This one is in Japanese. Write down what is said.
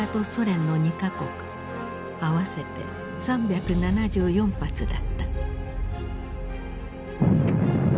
合わせて３７４発だった。